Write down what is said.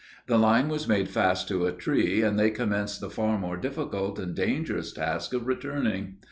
The line was made fast to a tree, and they commenced the far more difficult and dangerous task of returning.